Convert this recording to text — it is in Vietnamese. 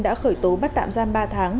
đã khởi tố bắt tạm gian ba tháng